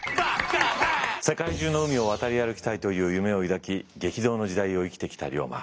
世界中の海を渡り歩きたいという夢を抱き激動の時代を生きてきた龍馬。